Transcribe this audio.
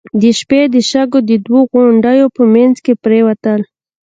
د شپې د شګو د دوو غونډيو په مينځ کې پرېوتل.